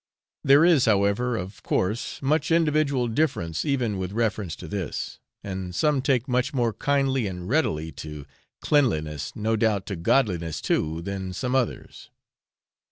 There is, however, of course much individual difference even with reference to this, and some take much more kindly and readily to cleanliness, no doubt to godliness too, than some others.